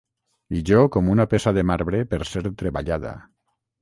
I jo com una peça de marbre per ser treballada.